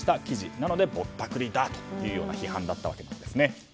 なので、ぼったくりだ！という批判だったわけですね。